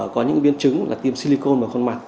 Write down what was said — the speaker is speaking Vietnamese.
có những biến chứng là tiêm silicone vào khuôn mặt